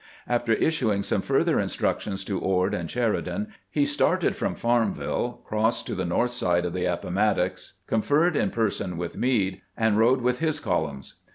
After issuing some further instructions to Ord and Sheridan, he started from Farmville, crossed to the north side of the Appomattox, conferred in person with Meade, and rode with his columns.